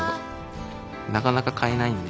なかなか買えないんで。